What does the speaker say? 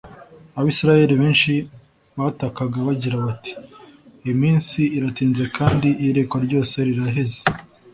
Abisiraeli benshi batakaga bagira bati : «Iminsi iratinze kandi iyerekwa ryose riraheze.»